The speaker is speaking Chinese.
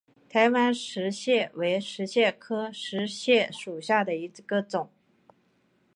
台湾石蟹为石蟹科石蟹属下的一个种。